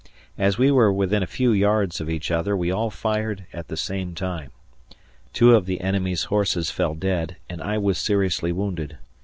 As we were within a few yards of each other, we all fired at the same time. Two of the enemy's horses fell dead, and I was seriously wounded.